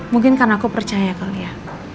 mungkin karena aku percaya kali ya